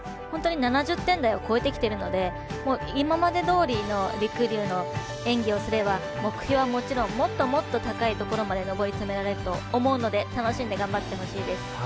本当に７０点台を超えてきているので今までどおりのりくりゅうの演技をすれば目標はもちろんもっともっと高いところまで上り詰められると思うので楽しんで頑張ってほしいです。